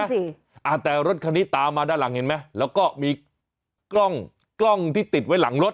สิอ่าแต่รถคันนี้ตามมาด้านหลังเห็นไหมแล้วก็มีกล้องกล้องที่ติดไว้หลังรถ